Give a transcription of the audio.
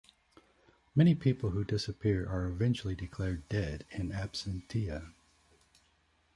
Many people who disappear are eventually declared dead "in absentia".